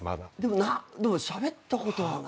でもしゃべったことはない。